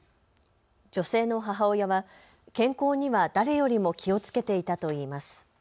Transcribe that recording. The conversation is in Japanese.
女性の母親は健康には誰よりも気を付けていたといいます。